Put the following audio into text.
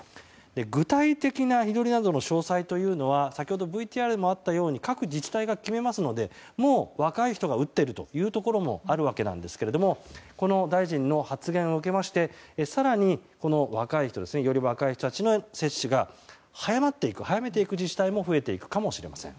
具体的な日取りなどの詳細というのは先ほどのＶＴＲにもあったように各自治体が決めますのでもう、若い人が打っているというところもあるわけですがこの大臣の発言を受けまして更に、若い人たちの接種が早めていく自治体も増えていくかもしれません。